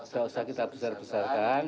tidak usah kita besar besarkan